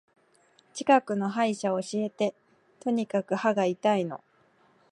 近くの歯医者教えて。とにかく歯が痛いの。